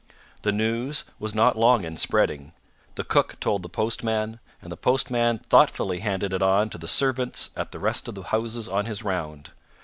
The news was not long in spreading. The cook told the postman, and the postman thoughtfully handed it on to the servants at the rest of the houses on his round.